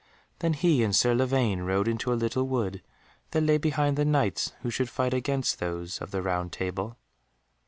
Then he and Sir Lavaine rode into a little wood that lay behind the Knights who should fight against those of the Round Table.